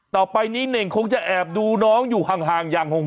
ต่อไปนี้เน่งคงจะแอบดูน้องอยู่ห่างอย่างห่วง